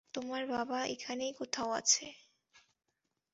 তোমার বাবা এখানেই কোথাও আছে।